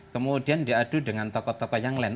kemudian diadu dengan tokoh tokoh yang lain